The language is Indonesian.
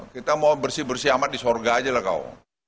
kita mau bersih bersih amat di sorga aja lah kau